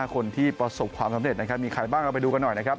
คนที่ประสบความสำเร็จนะครับมีใครบ้างเราไปดูกันหน่อยนะครับ